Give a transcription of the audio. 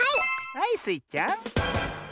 はいスイちゃん。